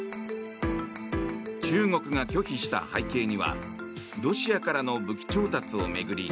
中国が拒否した背景にはロシアからの武器調達を巡り